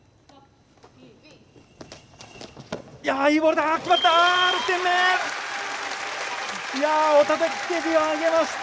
いいボール決まった！